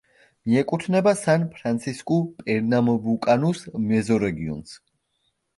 მიეკუთვნება სან-ფრანსისკუ-პერნამბუკანუს მეზორეგიონს.